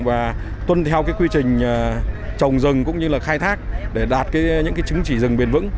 và tuân theo quy trình trồng rừng cũng như khai thác để đạt những chứng chỉ rừng bền vững